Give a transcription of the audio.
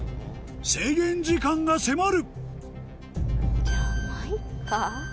制限時間が迫る！